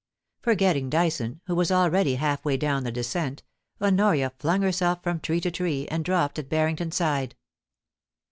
Forgetting Dyson, who was already half way down the descent, Honoria flung herself from tree to tree, and dropped at Barrington's side.